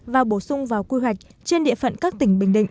và bổ sung vào quy hoạch trên địa phận các tỉnh bình định